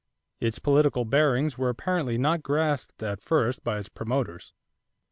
Its political bearings were apparently not grasped at first by its promoters.